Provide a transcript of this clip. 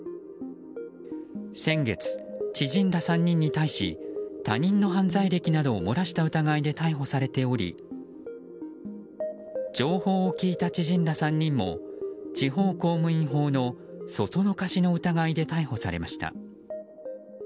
先月、知人ら３人に対し他人の犯罪歴などを漏らした疑いで逮捕されており情報を聞いた知人ら３人も地方公務員法のそそのかしの疑いで逮捕されました。